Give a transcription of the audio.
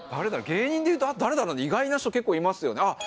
芸人でいうと誰だろうね意外な人結構いますよね。